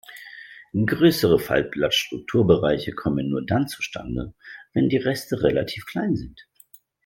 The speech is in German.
Größere Faltblatt-Strukturbereiche kommen nur dann zustande, wenn die Reste relativ klein sind.